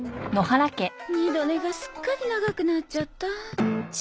二度寝がすっかり長くなっちゃった。